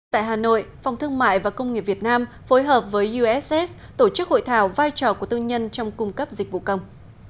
tại hà nội phòng thương mại và công nghiệp việt nam phối hợp với uss tổ chức hội thảo vai trò của tư nhân trong cung cấp dịch vụ công